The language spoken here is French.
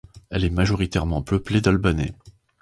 Elle est majoritairement peuplée d'Albanais.